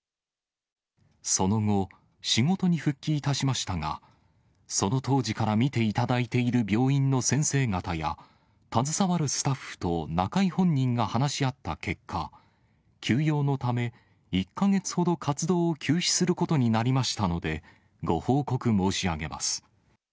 その後、仕事に復帰いたしましたが、その当時から診ていただいている病院の先生方や、携わるスタッフと中居本人が話し合った結果、休養のため、１か月ほど活動を休止することになりましたので、ご報告申し上げます。